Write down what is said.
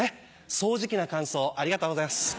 ソウジキな感想ありがとうございます。